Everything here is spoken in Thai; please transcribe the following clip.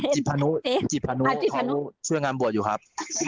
พานุจิตพานุเขาช่วยงานบวชอยู่ครับ